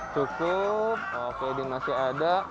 cukup oke ini masih ada